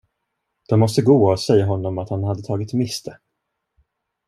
De måste gå och säga honom att han hade tagit miste.